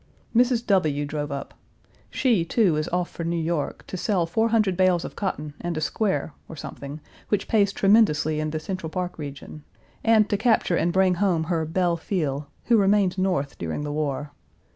Mrs. W. drove up. She, too, is off for New York, to sell four hundred bales of cotton and a square, or something, which pays tremendously in the Central Park region, and to capture and bring home her belle fille, who remained North during the war.